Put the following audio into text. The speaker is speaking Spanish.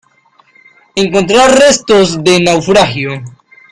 encontrar restos de naufragio